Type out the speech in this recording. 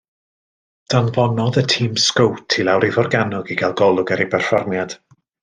Danfonodd y tîm sgowt i lawr i Forgannwg i gael golwg ar ei berfformiad.